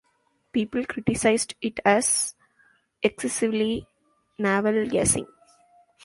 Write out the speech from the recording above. "People" criticized it as "excessively navel-gazing".